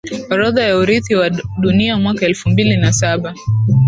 orodha ya urithi wa Dunia Mwaka elfumbili na Saba